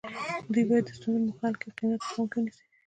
دوی باید د ستونزو په حل کې قیمت په پام کې ونیسي.